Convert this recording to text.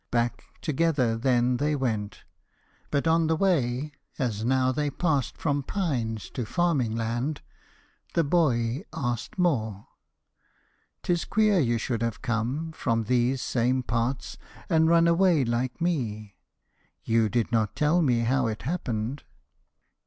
Back Together then they went. But on the way, As now they passed from pines to farming land, The boy asked more. "'T is queer you should have come From these same parts, and run away like me! You did not tell me how it happened."